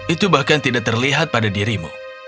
itu bahkan tidak terlihat pada dirimu